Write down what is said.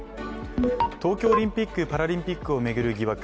東京オリンピック・パラリンピックを巡る疑惑。